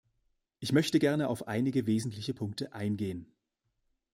Ich möchte gerne auf einige wesentliche Punkte eingehen.